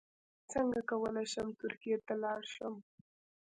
څنګه کولی شم ترکیې ته لاړ شم